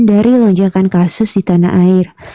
dari lonjakan kasus di tanah air